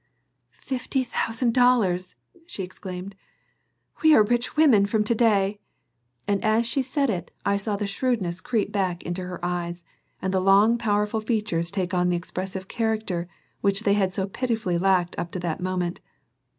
"Fifty thousand dollars!" she exclaimed. "We are rich women from to day," and as she said it I saw the shrewdness creep beck into her eyes and the long powerful features take on the expressive character which they had so pitifully lacked up to the moment.